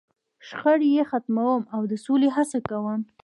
.شخړې یې ختموم، او د سولې هڅه کوم.